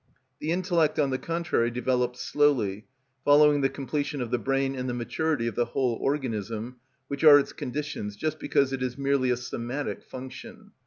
The intellect, on the contrary, develops slowly, following the completion of the brain and the maturity of the whole organism, which are its conditions, just because it is merely a somatic function.